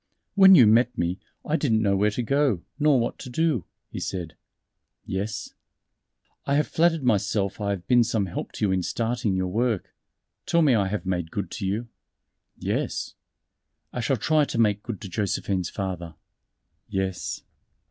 "When you met me, I didn't know where to go, nor what to do," he said. "Yes." "I have flattered myself I have been some help to you in starting your work. Tell me have I made good to you?" "Yes." "I shall try to make good to Josephine's father." "Yes."